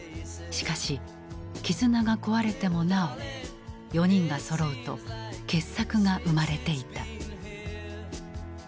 しかし絆が壊れてもなお４人がそろうと傑作が生まれていた。